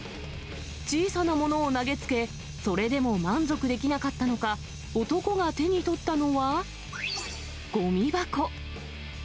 小さなものを投げつけ、それでも満足できなかったのか、男が手に取ったのは、ごみ箱。